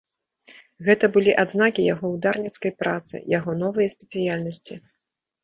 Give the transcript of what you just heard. Гэта былі адзнакі яго ўдарніцкай працы, яго новыя спецыяльнасці.